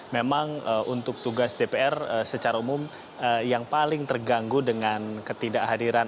memang untuk tugas dpr secara umum yang paling terganggu dengan ketidakhadiran